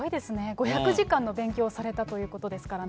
５００時間の勉強をされたということですからね。